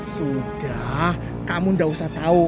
sudah kamu tidak usah tahu